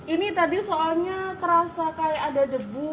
ini tadi soalnya kerasa kayak ada debu